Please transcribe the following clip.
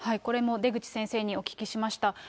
これも出口先生にお聞きしました。